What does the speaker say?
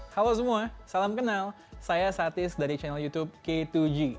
halo semua salam kenal saya satis dari channel youtube k dua g